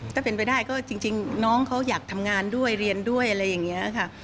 ถ้าเป็นไปได้ก็จริงน้องเขาอยากทำงานด้วยเรียนด้วยอะไรอย่างนี้ค่ะ